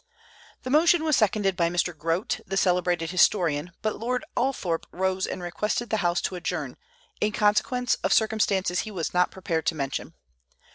The motion was seconded by Mr. Grote, the celebrated historian; but Lord Althorp rose and requested the House to adjourn, in consequence of circumstances he was not prepared to mention.